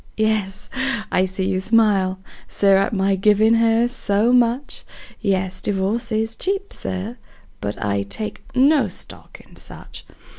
Yes, I see you smile, Sir, at my givin' her so much; Yes, divorce is cheap, Sir, but I take no stock in such!